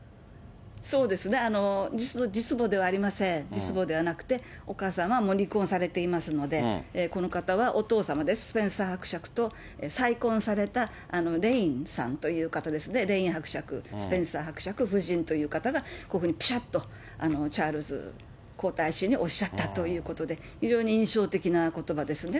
そうですね、実母ではありません、実母ではなくて、お母さんは離婚されていますので、この方はお父様で、スペンサー伯爵と再婚されたレインさんという方ですね、レイン伯爵、スペンサー伯爵夫人という方が、こういうふうにぴしゃっとチャールズ皇太子におっしゃったということで、非常に印象的なことばですね。